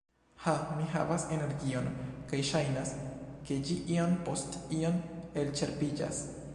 Ha, mi havas energion, kaj ŝajnas, ke ĝi iom post iom elĉerpiĝas